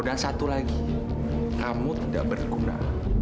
dan satu lagi kamu tidak berguna